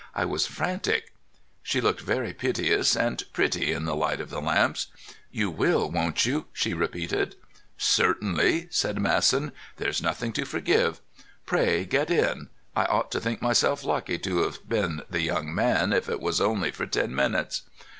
I was frantic." She looked very piteous and pretty in the light of the lamps. "You will, won't you?" she repeated. "Certainly," said Masson; "there's nothing to forgive. Pray get in. I ought to think myself lucky to have been the young man, if it was only for ten minutes."